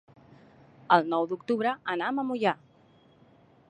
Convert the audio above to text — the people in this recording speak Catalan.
El nou d'octubre anam a Moià.